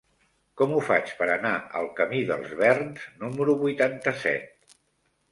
Com ho faig per anar al camí dels Verns número vuitanta-set?